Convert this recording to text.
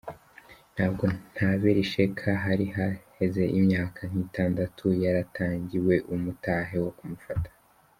Ntabo Ntaberi Sheka, hari haheze imyaka nk'itandatu yaratangiwe umutahe wo kumufata.